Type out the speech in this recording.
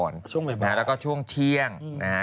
แล้วก็ช่วงเที่ยงนะฮะ